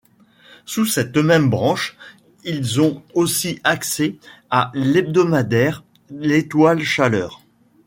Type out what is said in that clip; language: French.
Sous cette même branche, ils ont aussi accès à l'hebdomadaire L'Étoile Chaleur.